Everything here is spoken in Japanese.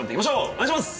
お願いします！